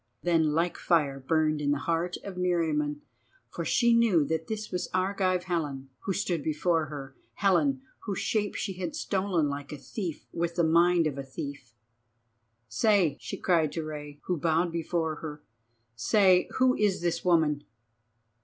Then like fire burned the heart of Meriamun, for she knew that this was Argive Helen who stood before her, Helen whose shape she had stolen like a thief and with the mind of a thief. "Say," she cried to Rei, who bowed before her, "say, who is this woman?"